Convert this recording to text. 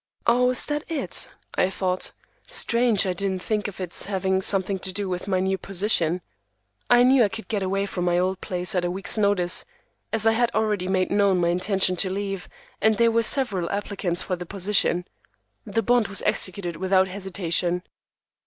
"Oh, is that it?" I thought. Strange I didn't think of its having something to do with my new position. I knew I could get away from my old place at a week's notice, as I had already made known my intention to leave, and there were several applicants for the position. The bond was executed without hesitation.